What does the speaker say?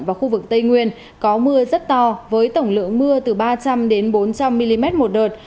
và khu vực tây nguyên có mưa rất to với tổng lượng mưa từ ba trăm linh bốn trăm linh mm một đợt